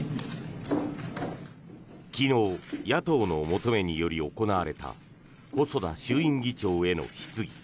昨日野党の求めにより行われた細田衆院議長への質疑。